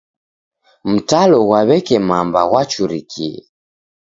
Mtalo ghwa w'eke mamba ghwachurikie.